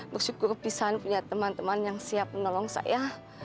bersyukur bisa punya teman teman yang siap menolong saya